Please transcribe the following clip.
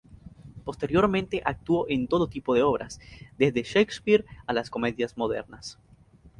Posteriormente actuó en todo tipo de obras, desde Shakespeare a las comedias modernas.